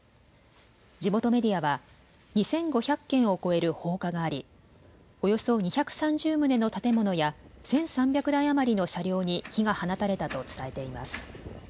地元メディアは２５００件を超える放火がありおよそ２３０棟の建物や１３００台余りの車両に火が放たれたと伝えています。